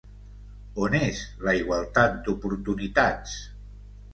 On és la igualtat d'oportunitats?